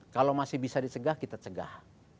kalau masih bisa dicegah kita cegah